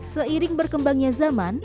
seiring berkembangnya zaman